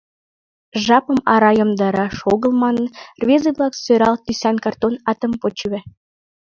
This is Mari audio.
Жапым арам йомдараш огыл манын, рвезе-влак сӧрал тӱсан картон атым почеве.